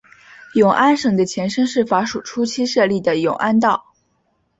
永安省的前身是法属初期设立的永安道。